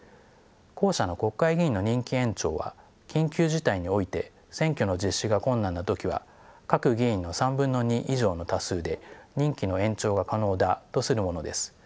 後者の国会議員の任期延長は緊急事態において選挙の実施が困難なときは各議員の３分の２以上の多数で任期の延長が可能だとするものです。